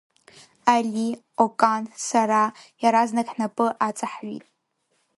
Али, Окан, сара, иаразнак ҳнапы аҵаҳҩит.